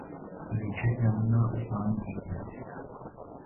مجھے جاننا آسان نہیں ہے